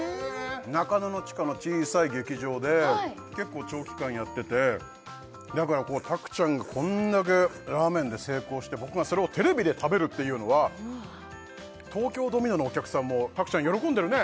中野の地下の小さい劇場で結構長期間やっててだからたくちゃんがこんだけラーメンで成功して僕がそれをテレビで食べるっていうのはお客さんもたくちゃん喜んでるね？